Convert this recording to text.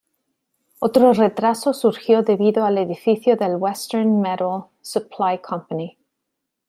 Otro retraso surgió debido al edificio del Western Metal Supply Co.